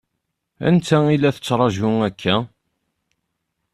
Anta i la tettṛaǧu akka?